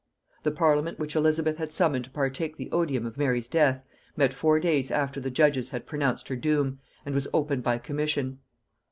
The parliament which Elizabeth had summoned to partake the odium of Mary's death, met four days after the judges had pronounced her doom, and was opened by commission.